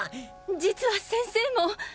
実は先生も。